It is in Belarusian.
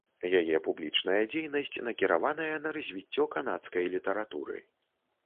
Яе публічная дзейнасць накіраваная на развіццё канадскай літаратуры.